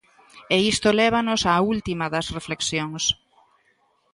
E isto lévanos á última das reflexións.